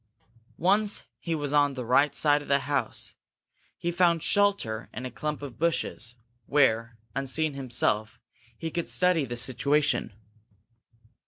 Once he was on the right side of the house, he found shelter in a clump of bushes, where, unseen himself, he could study the situation.